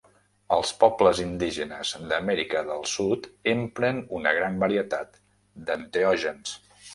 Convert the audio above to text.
Els pobles indígenes d'Amèrica del Sud empren una gran varietat d'enteògens.